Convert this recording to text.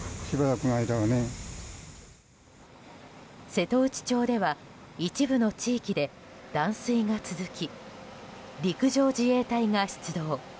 瀬戸内町では一部の地域で断水が続き陸上自衛隊が出動。